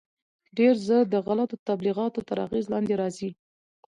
ډېر ژر د غلطو تبلیغاتو تر اغېز لاندې راځي.